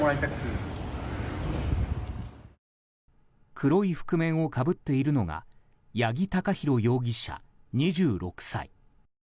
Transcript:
黒い覆面をかぶっているのが八木貴寛容疑者、２６歳。